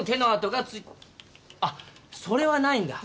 あっそれはないんだ。